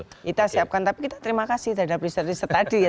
kita siapkan tapi kita terima kasih terhadap riset riset tadi ya